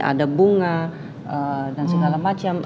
ada bunga dan segala macam